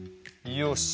よし！